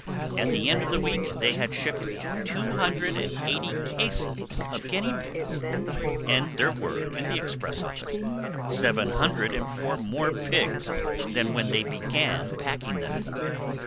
At the end of the week they had shipped two hundred and eighty cases of guinea pigs, and there were in the express office seven hundred and four more pigs than when they began packing them.